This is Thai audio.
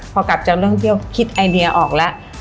พอกลับจากเรื่องเที่ยวคิดไอเดียออกแล้ว